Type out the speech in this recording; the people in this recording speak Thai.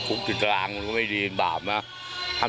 ได้ช่วยฟังประธานาฬาที่มีการพยาบาล